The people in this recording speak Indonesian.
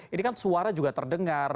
ini kan suara juga terdengar